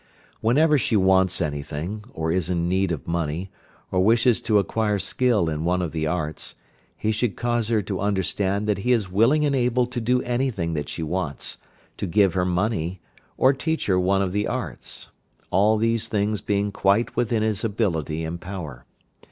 Whenever she wants anything, or is in need of money, or wishes to acquire skill in one of the arts, he should cause her to understand that he is willing and able to do anything that she wants, to give her money, or teach her one of the arts, all these things being quite within his ability and power.